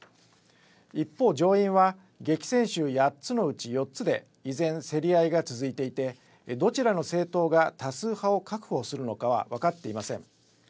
一方、上院は激戦州８つのうち４つで依然競り合いが続いていてどちらの政党が多数派を確保するのかは分かっていません。